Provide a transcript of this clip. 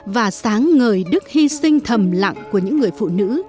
và sáng ngời đức hy sinh thầm lặng của những người phụ nữ